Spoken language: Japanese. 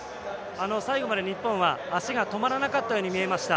最後まで日本は足が止まらなかったように見えました。